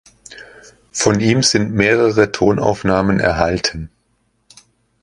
Von ihm sind mehrere Tonaufnahmen erhalten.